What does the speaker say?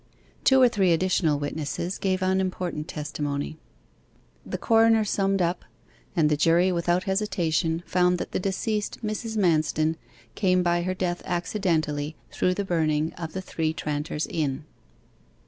Two or three additional witnesses gave unimportant testimony. The coroner summed up, and the jury without hesitation found that the deceased Mrs. Manston came by her death accidentally through the burning of the Three Tranters Inn.